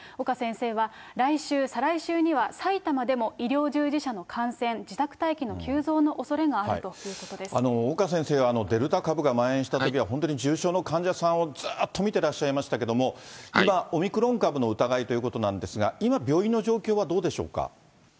岡先生は、来週、再来週には埼玉でも医療従事者の感染、自宅待機の急増のおそれが岡先生、デルタ株がまん延したときは、本当に重症の患者さんをずっと診てらっしゃいましたけれども、今、オミクロン株の疑いということなんですが、今、病院の状況はどうでしょうか。